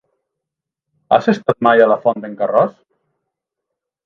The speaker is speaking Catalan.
Has estat mai a la Font d'en Carròs?